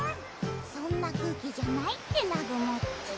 そんな空気じゃないって南雲っち。